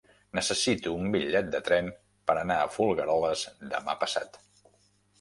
Necessito un bitllet de tren per anar a Folgueroles demà passat.